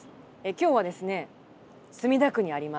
今日はですね墨田区にあります